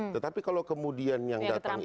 tetapi kalau kemudian yang datang itu